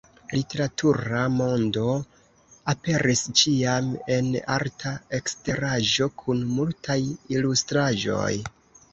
Literatura Mondo aperis ĉiam en arta eksteraĵo kun multaj ilustraĵoj.